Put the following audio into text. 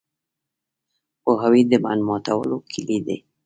پوهاوی د بند ماتولو کلي ده.